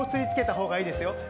つけたほうがいいですよ。